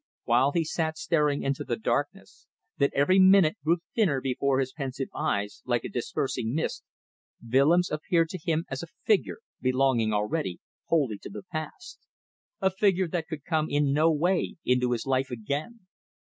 While he sat staring into the darkness, that every minute grew thinner before his pensive eyes, like a dispersing mist, Willems appeared to him as a figure belonging already wholly to the past a figure that could come in no way into his life again.